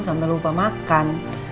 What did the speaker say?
sambil lupa makan